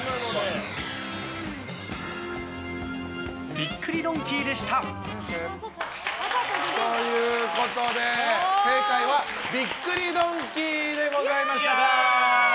びっくりドンキーでした。ということで正解はびっくりドンキーでございました。